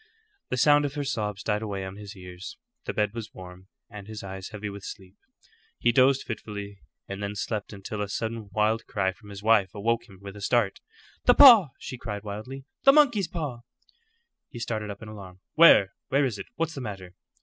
The sound of her sobs died away on his ears. The bed was warm, and his eyes heavy with sleep. He dozed fitfully, and then slept until a sudden wild cry from his wife awoke him with a start. "The paw!" she cried wildly. "The monkey's paw!" He started up in alarm. "Where? Where is it? What's the matter?"